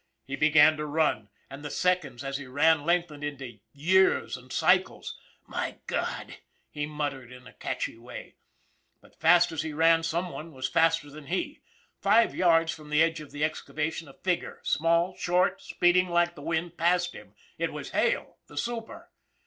He began to run, and the seconds, as he ran, length ened into years and cycles. " My God !" he muttered in a catchy way. But fast as he ran, someone was faster than he. Five yards from the edge of the excavation, a figure, small, short, speeding like the wind, passed him. It was Hale the super